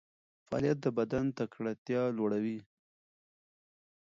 فعالیت د بدن تکړتیا لوړوي.